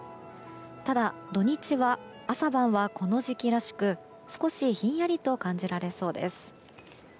ただ、土日は朝晩はこの時期らしく少しひんやりと感じられそうです。